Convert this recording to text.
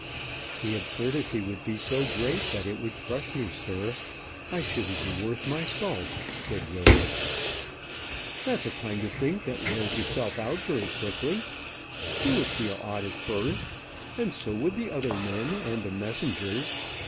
"The absurdity would be so great that it would crush me, sir. I shouldn't be worth my salt," said Roden. "That's a kind of thing that wears itself out very quickly. You would feel odd at first, and so would the other men, and the messengers.